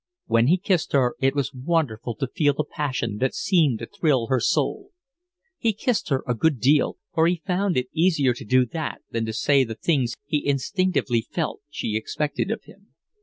When he kissed her it was wonderful to feel the passion that seemed to thrill her soul. He kissed her a good deal, for he found it easier to do that than to say the things he instinctively felt she expected of him.